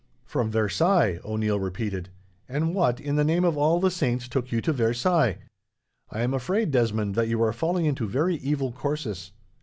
"From Versailles!" O'Neil repeated. "And what, in the name of all the saints, took you to Versailles! I am afraid, Desmond, that you are falling into very evil courses.